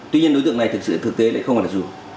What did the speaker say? tuy nhiên đối tượng này thực sự thực tế lại không phải là dù